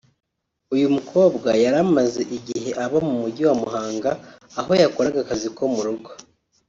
uyu mukobwa yari amaze igihe aba mu mujyi wa Muhanga aho yakoraga akazi ko mu rugo